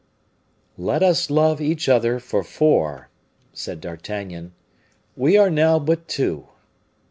"Let us love each other for four," said D'Artagnan. "We are now but two."